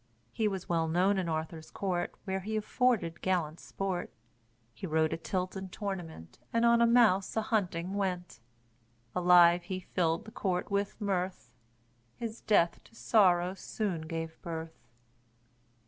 He was well known in Arthur's court, Where he afforded gallant sport; He rode at tilt and tournament, And on a mouse a hunting went; Alive he filled the court with mirth, His death to sorrow soon gave birth.